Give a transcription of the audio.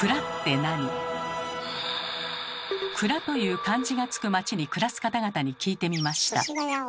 「蔵」という漢字がつく町に暮らす方々に聞いてみました。